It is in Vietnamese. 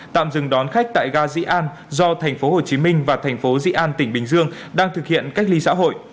tạm dừng đón khách tại ga dĩ an do tp hcm và tp dn tỉnh bình dương đang thực hiện cách ly xã hội